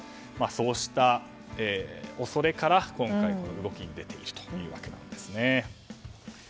そうした恐れから今回の動きに出ているというわけなんですね。